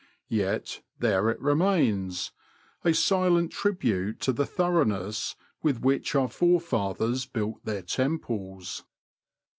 Yet there it remains, a silent tribute to the thoroughness with which our forefathers built their temples.